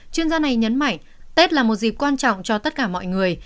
chuyên gia này nhấn mạnh tết là một dịp quan trọng cho tất cả mọi người